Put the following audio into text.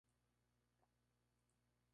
Acompañan bien platos de caza y guisos.